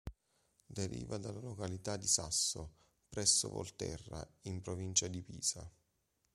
Deriva dalla località di Sasso, presso Volterra, in provincia di Pisa.